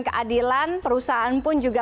keadilan perusahaan pun juga